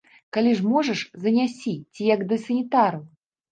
Калі ж можаш, занясі, ці як, да санітараў.